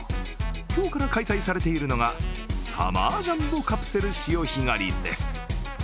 今日から開催されているのがサマージャンボカプセル潮干狩りです。